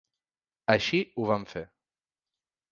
Així ho vam fer.